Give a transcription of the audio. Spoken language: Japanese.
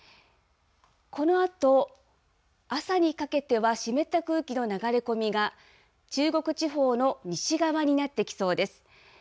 このあと、朝にかけては、湿った空気の流れ込みが、中国地方の西側になってきそうです。